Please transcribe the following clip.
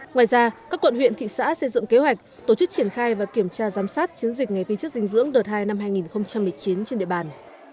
ngoài ra các quận huyện thị xã xây dựng kế hoạch tổ chức triển khai và kiểm tra giám sát chiến dịch ngày vi chất dinh dưỡng đợt hai năm hai nghìn một mươi chín trên địa bàn